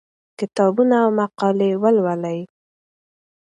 کتابونه او مقالې ولولئ.